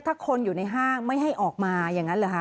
ถ้าคนอยู่ในห้างไม่ให้ออกมาอย่างนั้นเหรอคะ